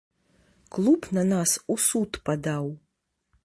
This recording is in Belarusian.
Клуб на нас у суд падаў.